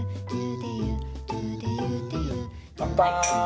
乾杯！